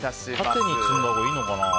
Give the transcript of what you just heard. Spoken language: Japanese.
縦に積んだほうがいいのかな？